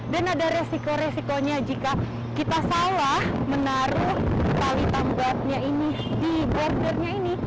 dan ada resiko resikonya jika kita salah menaruh tali tambangnya ini di bordernya ini